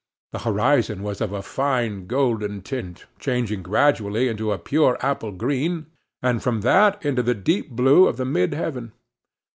The horizon was of a fine golden tint, changing gradually into a pure apple green, and from that into the deep blue of the mid heaven.